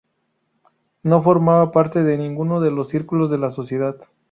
No formaba parte de ninguno de los círculos de la sociedad.